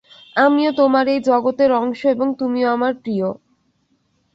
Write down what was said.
আমিও তোমার এই জগতের অংশ এবং তুমিও আমার প্রিয়।